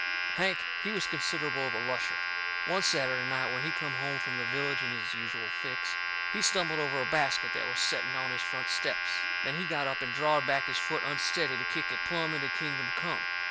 Hank, he was considerable of a lusher. One Saturday night, when he come home from the village in his usual fix, he stumbled over a basket that was setting on his front steps. Then he got up and drawed back his foot unsteady to kick it plumb into kingdom come.